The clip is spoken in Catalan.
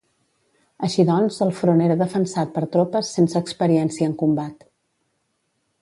Així doncs el front era defensat per tropes sense experiència en combat.